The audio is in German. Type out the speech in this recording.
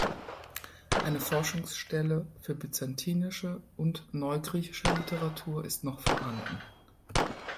Eine Forschungsstelle für byzantinische und neugriechische Literatur ist noch vorhanden.